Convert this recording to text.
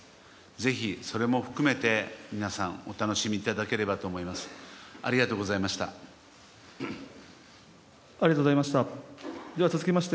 ぜひ、それも含めて皆さん、お楽しみいただければと思います。